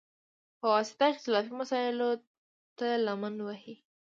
په واسطه، اختلافي مسایلوته لمن ووهي،